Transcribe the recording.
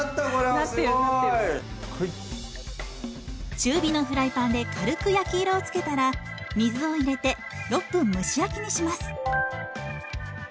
中火のフライパンで軽く焼き色をつけたら水を入れて６分蒸し焼きにします。